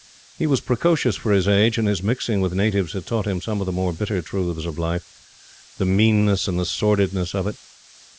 He was precocious for his age, and his mixing with natives had taught him some of the more bitter truths of life; the meanness and the sordidness of it.